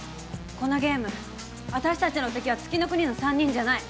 このゲームわたしたちの敵は月ノ国の３人じゃない。